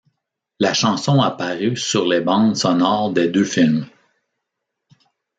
La chanson a paru sur les bandes sonores des deux films.